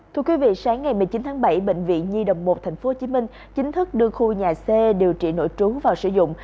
thưa quý vị sáng ngày một mươi chín tháng bảy bệnh viện nhi đồng một tp hcm chính thức đưa khu nhà xe điều trị nổi trú vào sử dụng